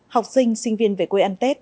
học sinh sinh viên về quê ăn tết